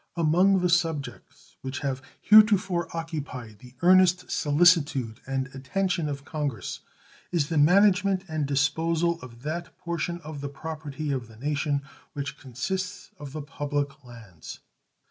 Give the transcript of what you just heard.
Among the subjects which have heretofore occupied the earnest solicitude and attention of Congress is the management and disposal of that portion of the property of the nation which consists of the public lands.